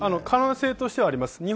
可能性としてあります。